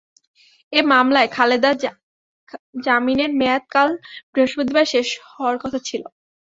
এ মামলায় খালেদার জামিনের মেয়াদ কাল বৃহস্পতিবার শেষ হওয়ার কথা ছিল।